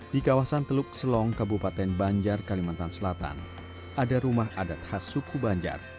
di kawasan teluk selong kabupaten banjar kalimantan selatan ada rumah adat khas suku banjar